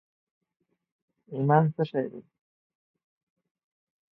ایمان څه شي دي؟